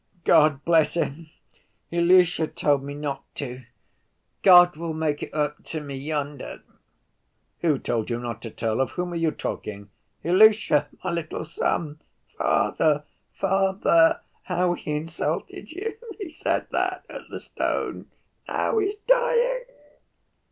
"God bless him. Ilusha told me not to. God will make it up to me yonder." "Who told you not to tell? Of whom are you talking?" "Ilusha, my little son. 'Father, father, how he insulted you!' He said that at the stone. Now he is dying...."